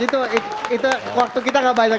itu waktu kita gak banyak